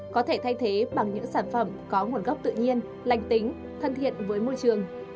có thể thay thế bằng những sản phẩm có nguồn gốc tự nhiên lành tính thân thiện với môi trường